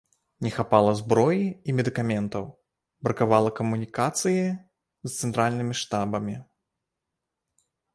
Не хапала зброі і медыкаментаў, бракавала камунікацыі з цэнтральнымі штабамі.